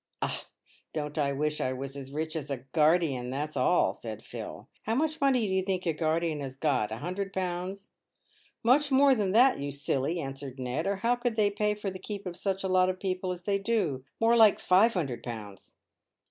"Ah, don't I wish I was as rich as a guardian — that's all!" said Phil. " How much money do you think a guardian has got — a hundred pounds ?"" Much more than that, you silly," answered Ned, " or how could they pay for the keep of such a lot of people as they do — more like five hundred pounds."